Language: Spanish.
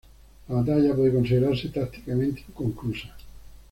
La batalla puede considerarse tácticamente inconclusa.